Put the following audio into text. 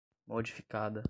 modificada